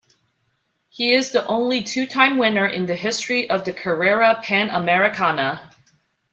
He is the only two-time winner in the history of the Carrera Panamericana.